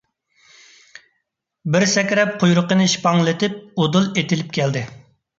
بىر سەكرەپ قۇيرۇقىنى شىپپاڭلىتىپ ئۇدۇل ئېتىلىپ كەلدى.